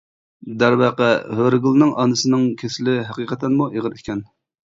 دەرۋەقە ھۆرىگۈلنىڭ ئانىسىنىڭ كېسىلى ھەقىقەتەنمۇ ئېغىر ئىكەن.